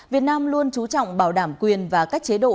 việt nam luôn trú trọng bảo đảm quyền và các chế độ